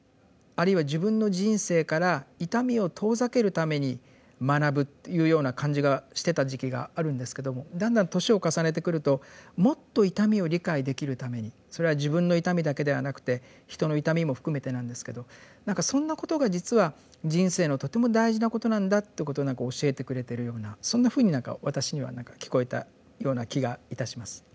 あるいは自分の人生から痛みを遠ざけるために学ぶというような感じがしてた時期があるんですけどもだんだん年を重ねてくるともっと痛みを理解できるためにそれは自分の痛みだけではなくて人の痛みも含めてなんですけど何かそんなことが実は人生のとても大事なことなんだっていうことを何か教えてくれてるようなそんなふうに私には何か聞こえたような気がいたします。